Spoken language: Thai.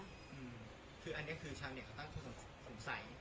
อันนี้คือชาวเนี่ยเขาต้องสงสัย